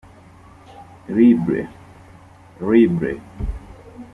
libre